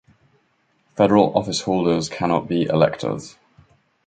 Federal office holders cannot be electors.